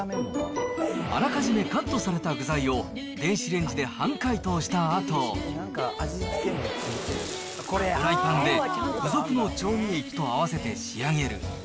あらかじめカットされた具材を電子レンジで半解凍したあと、フライパンで付属の調味液と合わせて仕上げる。